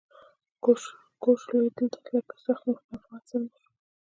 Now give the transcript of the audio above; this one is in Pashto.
کوروش لوی دلته له سخت مقاومت سره مخ شو